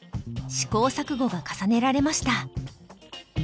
試行錯誤が重ねられました。